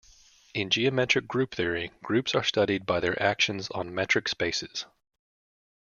In geometric group theory, groups are studied by their actions on metric spaces.